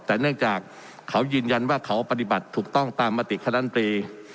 แต่เนื่องจากเขายืนยันว่าเขาปฏิบัติถูกต้องตามมติคณะตรี